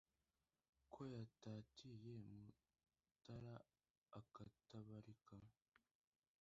ko yatatiye mutara akatabarika,